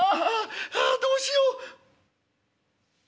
ああどうしよう。